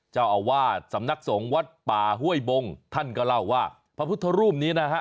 เจ้าอาวาสสำนักสงฆ์วัดป่าห้วยบงท่านก็เล่าว่าพระพุทธรูปนี้นะฮะ